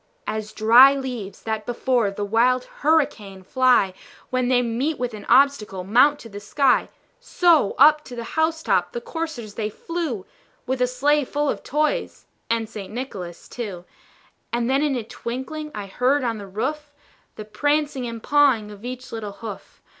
As dry leaves that before the wild hurricane fly, When they meet with an obstacle, mount to the sky, So, up to the house top the coursers they flew, With a sleigh full of toys and St. Nicholas too. And then in a twinkling I heard on the roof, The prancing and pawing of each little hoof.